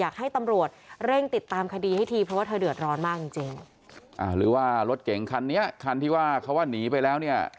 อ่ะหรือว่ารถเก่งคันนี้คันที่เขาว่านีไปแล้วเนี่ย